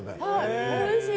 おいしい。